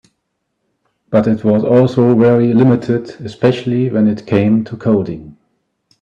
But it was also very limited, especially when it came to coding.